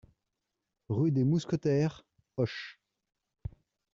Rue des Mousquetaires, Auch